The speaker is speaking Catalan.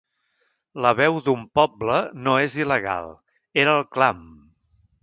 La veu d’un poble no és il·legal, era el clam.